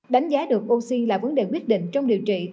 đánh giá được oxy là vấn đề quyết định trong điều trị